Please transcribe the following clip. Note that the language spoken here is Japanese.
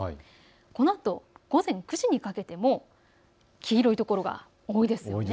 このあと午前９時にかけても黄色いところが多いです。